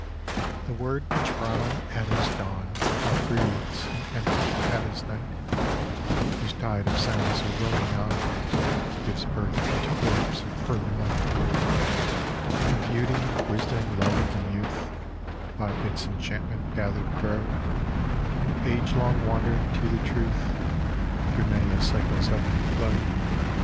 The word which Brahma at his dawn Outbreathes and endeth at his night, Whose tide of sound so rolling on Gives birth to orbs of pearly light ; And beauty, wisdom, love, and youth, By its enchantment gathered grow In agelong wandering to the Truth, Through many a cycle's ebb and flow.